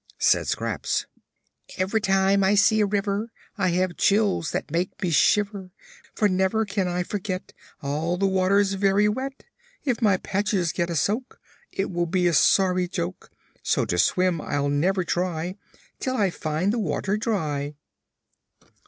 Said Scraps: "Ev'ry time I see a river, I have chills that make me shiver, For I never can forget All the water's very wet. If my patches get a soak It will be a sorry joke; So to swim I'll never try Till I find the water dry."